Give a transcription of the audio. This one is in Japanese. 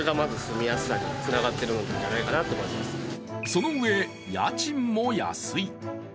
その上、家賃も安い。